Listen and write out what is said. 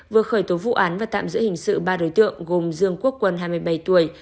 vừa khởi tố vụ án và tạm giữ hình sự ba đối tượng gồm dương quốc quân hai mươi bảy tuổi